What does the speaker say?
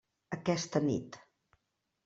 Aquesta nit.